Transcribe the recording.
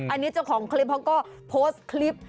อันนี้เจ้าของคลิปเขาก็โพสต์คลิป